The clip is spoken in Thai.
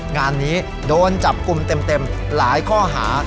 งานนี้โดนจับกลุ่มเต็มหลายข้อหา